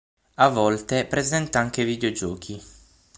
A volte presenta anche videogiochi.